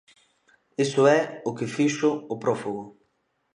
Iso é o que fixo o prófugo.